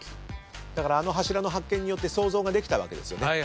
だからあの柱の発見によって想像ができたわけですよね。